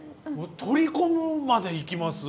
取り込むまでいきます？